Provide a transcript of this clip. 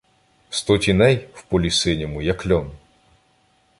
Сто тіней, в полі синьому, як льон.